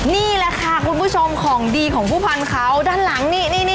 นี่แหละค่ะคุณผู้ชมของดีของผู้พันธุ์เขาด้านหลังนี่